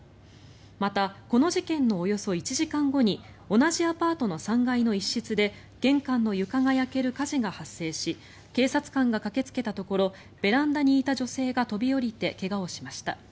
またこの事件のおよそ１時間後に同じアパートの３階の一室で玄関の床が焼ける火事が発生し警察官が駆けつけたところベランダにいた女性が飛び降りて怪我をしました。